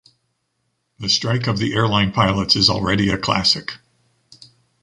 The strike of the airline pilots is already a classic.